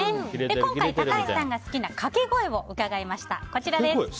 今回高橋さんが好きな掛け声を伺いました。